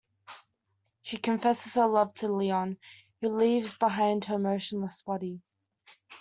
She confesses her love to Leon, who leaves behind her motionless body.